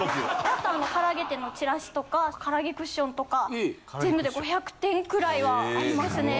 あと唐揚げ店のチラシとか唐揚げクッションとか全部で５００点くらいはありますね。